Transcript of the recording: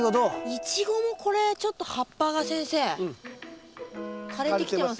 イチゴもこれちょっと葉っぱが先生枯れてきてません？